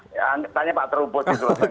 saya tanya pak terubus